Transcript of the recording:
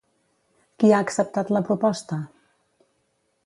Qui ha acceptat la proposta?